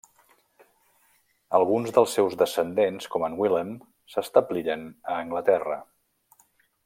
Alguns dels seus descendents com en Wilhelm s'establiren a Anglaterra.